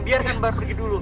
biar kan mbak pergi dulu